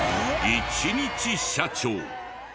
一日社長。